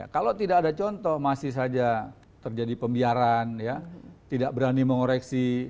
kalau tidak ada contoh masih saja terjadi pembiaran tidak berani mengoreksi